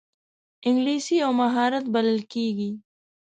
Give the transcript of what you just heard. انګلیسي یو مهارت بلل کېږي